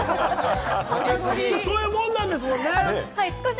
そういうもんなんですもんね。